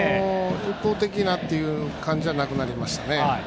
一方的なという感じではなくなりましたね。